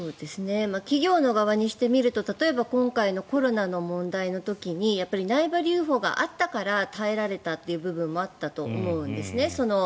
企業側にしてみると例えば今回のコロナの問題の時に内部留保があったから耐えられたという部分もあったと思うんですね。